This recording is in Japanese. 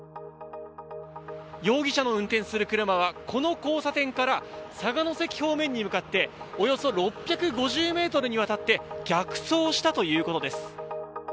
容疑者の運転する車はこの交差点から佐賀関方面に向かっておよそ６５０ｍにわたって逆走したということです。